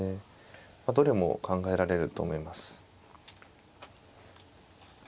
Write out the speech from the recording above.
どれも考えられると思います。